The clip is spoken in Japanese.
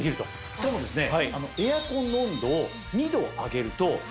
しかもですね。